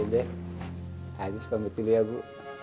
baik aziz panggil dulu ya bu